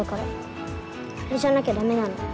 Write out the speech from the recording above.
あれじゃなきゃ駄目なの。